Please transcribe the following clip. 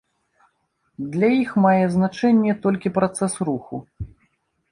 Для іх мае значэнне толькі працэс руху.